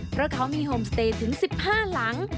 เพราะเขามีโฮมสเตย์ถึง๑๕หลัง